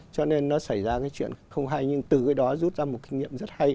cho nên nó xảy ra cái chuyện không hay nhưng từ cái đó rút ra một kinh nghiệm rất hay